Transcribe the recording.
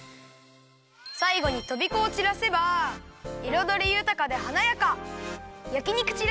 さいごにとびこをちらせばいろどりゆたかではなやか！